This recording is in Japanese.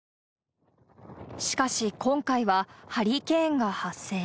しかし今回は、ハリケーンが発生。